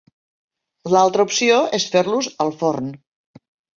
L'altra opció és fer-los al forn.